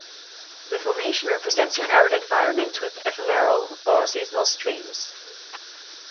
The formation represents an arid environment with ephemeral or seasonal streams.